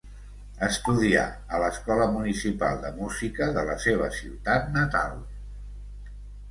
Estudià a l'Escola Municipal de Música de la seva ciutat natal.